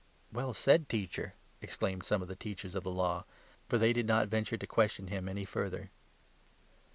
" Well said, Teacher !" exclaimed some of the Teachers of 39 the Law, for they did not venture to question him any 40 further.